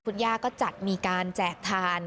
คุณย่าก็จัดมีการแจกทาน